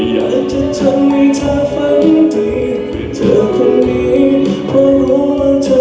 อยากทำอะไรที่ไม่ได้ยินเสียงเธอ